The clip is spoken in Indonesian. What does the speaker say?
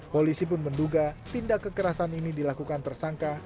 polisi pun menduga tindak kekerasan ini dilakukan tersangka